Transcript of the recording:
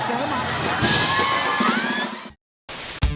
มันอยู่ที่หัวใจ